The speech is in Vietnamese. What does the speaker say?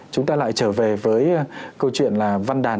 chúng ta lại trở về với câu chuyện là văn đàn